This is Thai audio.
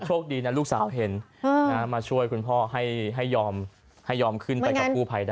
โชคดีนะลูกสาวเห็นมาช่วยคุณพ่อให้ยอมให้ยอมขึ้นไปกับกู้ภัยนะ